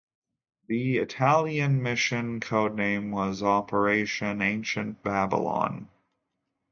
The Italian Mission codename was Operation Ancient Babylon.